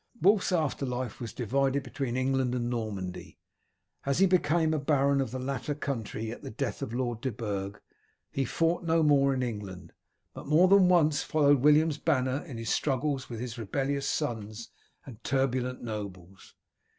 Wulf's after life was divided between England and Normandy, as he became a baron of the latter country at the death of Lord de Burg. He fought no more in England, but more than once followed William's banner in his struggles with his rebellious sons and turbulent nobles.